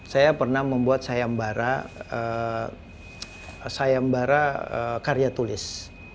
saya pernah membuat sayambara karya tulis